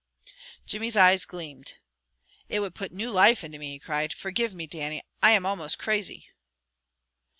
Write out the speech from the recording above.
Jimmy's eyes gleamed. "It would put new life into me," he cried. "Forgive me, Dannie. I am almost crazy."